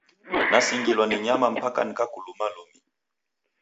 Nasingilwa ni nyama mpaka nikakuluma lumi!